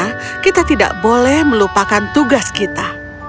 mereka tidak boleh melupakan tugas kita